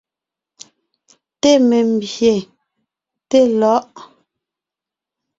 Té membÿe, té lɔ̌ʼ.